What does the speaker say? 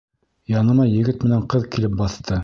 Яныма егет менән ҡыҙ килеп баҫты.